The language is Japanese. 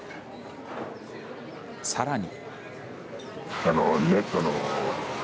さらに。